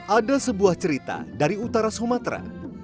ada sebuah cerita dari utara sumatera